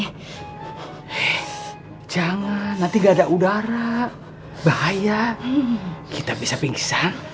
hei jangan nanti gak ada udara bahaya kita bisa pingsan